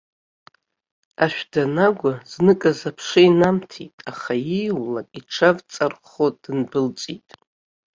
Ашә данагәа, зныказ аԥша инамҭеит, аха ииулак иҽавҵархо дындәылҵит.